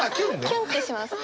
キュンってします。